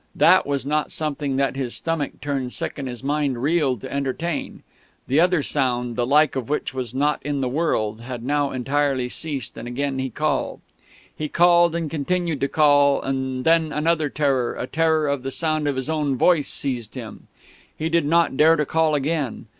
That was not something that his stomach turned sick and his mind reeled to entertain. That other sound, the like of which was not in the world, had now entirely ceased; and again he called.... He called and continued to call; and then another terror, a terror of the sound of his own voice, seized him. He did not dare to call again.